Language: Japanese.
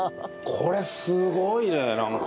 これすごいねなんか。